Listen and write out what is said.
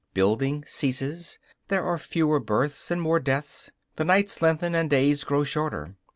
Building ceases; there are fewer births and more deaths; the nights lengthen and days grow shorter.